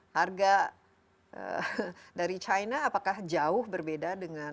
harga dari china apakah jauh berbeda dengan